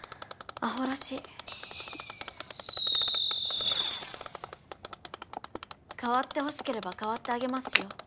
アホらしい替わってほしければ替わってあげますよ